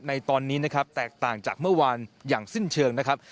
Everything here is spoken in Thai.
ในตอนนี้นะครับแตกต่างจากเมื่อวานอย่างสิ้นเชิงนะครับ